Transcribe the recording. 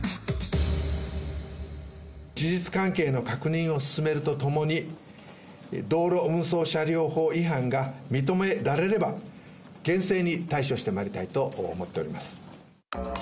事実関係の確認を進めるとともに、道路運送車両法違反が認められれば、厳正に対処してまいりたいと思っております。